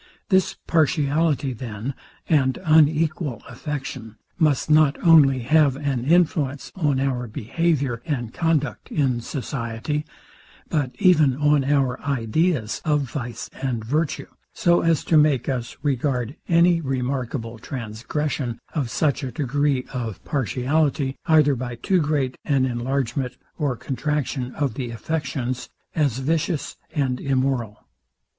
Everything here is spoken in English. This partiality, then, and unequal affection, must not only have an influence on our behaviour and conduct in society, but even on our ideas of vice and virtue; so as to make us regard any remarkable transgression of such a degree of partiality, either by too great an enlargement, or contraction of the affections, as vicious and immoral.